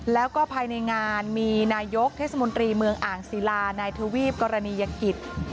แล้วก็ภายในงานมีนายกเทศมนตรีเมืองอ่างศิลานายทวีปกรณียกิจ